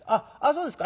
そうですか。